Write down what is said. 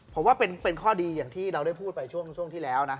ผมว่าเป็นข้อดีอย่างที่เราได้พูดไปช่วงที่แล้วนะ